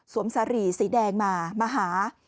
สวมสารีสีแดงมามาหา